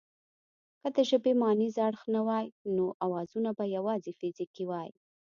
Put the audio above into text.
که د ژبې مانیز اړخ نه وای نو اوازونه به یواځې فزیکي وای